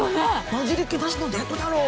混じりっけなしのデートだろ